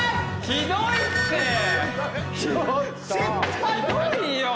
ひどいよ。